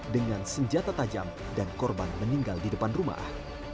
dengan senjata tajam dan korban meninggal di depan rumah